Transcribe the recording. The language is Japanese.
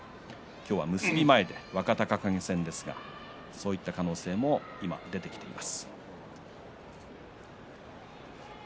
今日は結び前に若隆景戦ですがそういう可能性も出てきています。